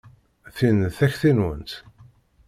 Tin d takti-nwent?